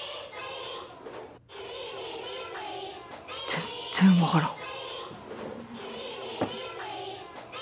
全っ然分からん。